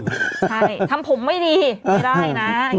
ใช่ทำผมไม่ดีไม่ได้นะ